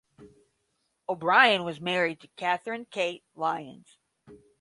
O'Brien was married to Catherine "Kate" Lyons.